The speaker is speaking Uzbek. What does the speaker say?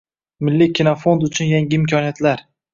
Milliy kinofond uchun yangi imkoniyatlar